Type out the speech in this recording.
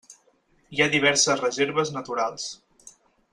Hi ha diverses reserves naturals.